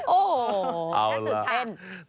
โอ้โหนับสุดท้าย